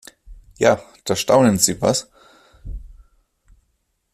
Ja, da staunen Sie, was?